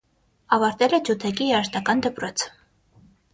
Ավարտել է ջութակի երաժշտական դպրոցը։